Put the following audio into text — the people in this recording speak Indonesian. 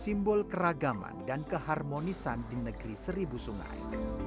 simbol keragaman dan keharmonisan di negeri seribu sungai